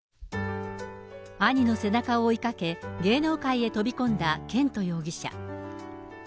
兄の背中を追いかけ、芸能界へ飛び込んだ絢斗容疑者。